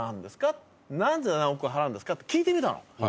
「なぜ何億払うんですか？」って聞いてみたの。